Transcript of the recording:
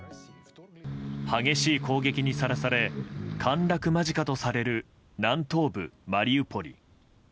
激しい攻撃にさらされ陥落間近とされる南東部マリウポリ。